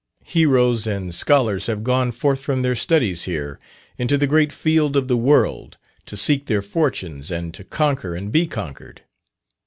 Heroes and scholars have gone forth from their studies here, into the great field of the world, to seek their fortunes, and to conquer and be conquered.